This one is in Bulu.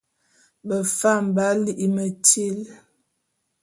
Befam b'á lí metíl.